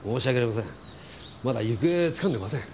まだ行方つかんでません。